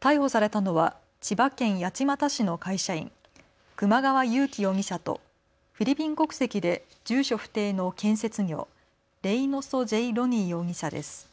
逮捕されたのは千葉県八街市の会社員、熊川勇己容疑者とフィリピン国籍で住所不定の建設業、レイノソ・ジェイ・ロニー容疑者です。